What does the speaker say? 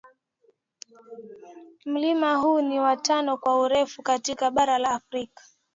Mlima huu ni wa tano kwa urefu katika bara la Afrika